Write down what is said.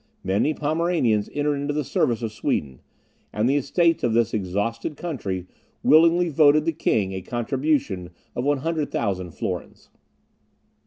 Many Pomeranians entered into the service of Sweden, and the estates of this exhausted country willingly voted the king a contribution of 100,000 florins.